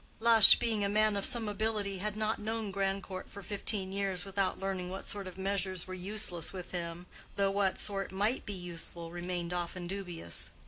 Lush, being a man of some ability, had not known Grandcourt for fifteen years without learning what sort of measures were useless with him, though what sort might be useful remained often dubious.